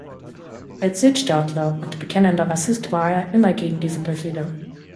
Als Südstaatler und bekennender Rassist war er immer gegen diese Befehle.